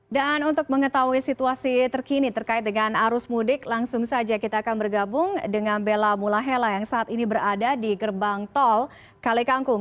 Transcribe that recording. dan untuk mengetahui situasi terkini terkait dengan arus mudik langsung saja kita akan bergabung dengan bella mulahela yang saat ini berada di gerbang tol kalekangkung